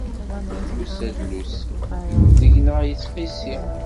Yusa d llusi, deg-neɣ ittqissi.